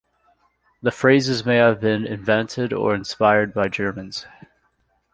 The phrases may have been invented or inspired by Germans.